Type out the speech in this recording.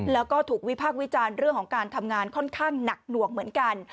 แล้วก็ถูกวิพากษ์วิจารณ์เรื่องของการทำงานค่อนข้างหนักหน่วงเหมือนกัน